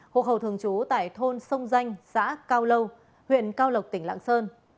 hộ khẩu thường trú tại thôn sông danh xã cao lâu huyện cao lộc tỉnh lạng sơn